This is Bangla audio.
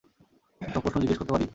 একটা প্রশ্ন জিজ্ঞেস করতে পারি?